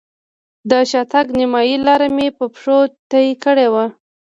د شاتګ نیمایي لاره مې په پښو طی کړې وه.